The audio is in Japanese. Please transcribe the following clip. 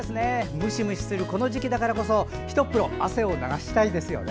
ムシムシするこの時期だからこそひとっ風呂汗を流したいですよね。